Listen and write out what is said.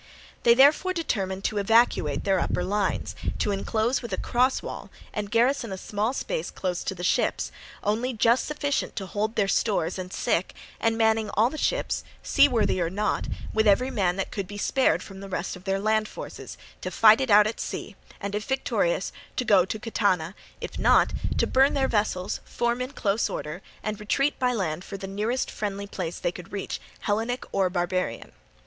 They therefore determined to evacuate their upper lines, to enclose with a cross wall and garrison a small space close to the ships, only just sufficient to hold their stores and sick, and manning all the ships, seaworthy or not, with every man that could be spared from the rest of their land forces, to fight it out at sea, and, if victorious, to go to Catana, if not, to burn their vessels, form in close order, and retreat by land for the nearest friendly place they could reach, Hellenic or barbarian.